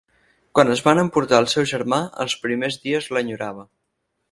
Quan es van emportar el seu germà, els primers dies l'enyorava.